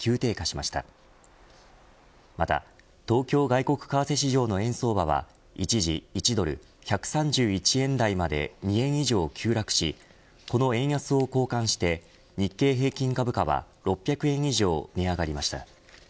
また東京外国為替市場の円相場は一時１ドル１３１円台まで２円以上急落しこの円安を好感して日経平均株価は６００円以上、値上がりました。